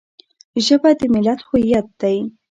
ژبه د ملت هویت دی